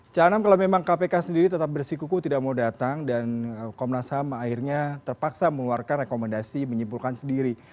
ca anam kalau memang kpk sendiri tetap bersikuku tidak mau datang dan komnas ham akhirnya terpaksa mengeluarkan rekomendasi menyimpulkan sendiri